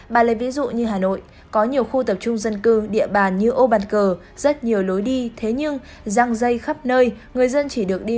bà lấy ví dụ như hà nội có nhiều khu tập trung dân cư địa bàn như ô bàn cờ rất nhiều lối đi